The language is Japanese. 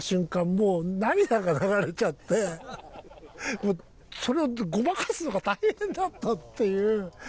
もう涙が流れちゃってそれをごまかすのが大変だったっていう。